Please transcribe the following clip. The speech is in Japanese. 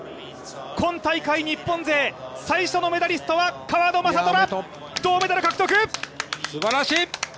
今大会日本勢、最初のメダリストは川野将虎すばらしい！